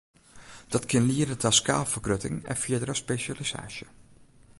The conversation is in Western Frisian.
Dat kin liede ta skaalfergrutting en fierdere spesjalisaasje.